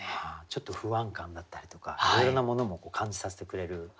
ちょっと不安感だったりとかいろいろなものも感じさせてくれる。